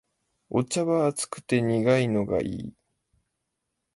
お茶は熱くて苦いのがいい